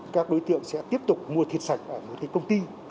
các đối tượng sẽ tiếp tục mua thịt sạch ở những cái công ty